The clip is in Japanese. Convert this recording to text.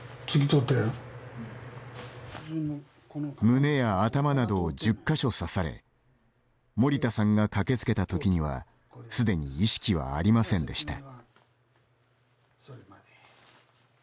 胸や頭などを１０か所刺され森田さんが駆けつけた時にはすでに意識はありませんでした。